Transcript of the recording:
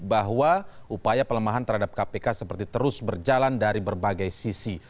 bahwa upaya pelemahan terhadap kpk seperti terus berjalan dari berbagai sisi